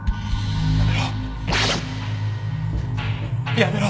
やめろ。